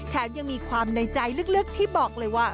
ยังมีความในใจลึกที่บอกเลยว่า